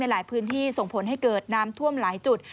หลายพื้นที่ส่งผลให้เกิดน้ำท่วมหลายจุด